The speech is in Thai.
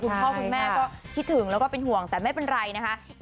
คุณพ่อคุณแม่ก็คิดถึงแล้วก็เป็นห่วงแต่ไม่เป็นไรนะคะ